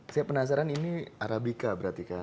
saya penasaran ini arabica berarti kan